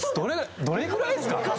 どれぐらいですか？